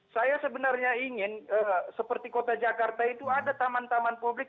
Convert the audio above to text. saya sebenarnya ingin seperti kota jakarta itu ada taman taman publik